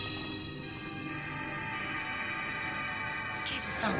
刑事さん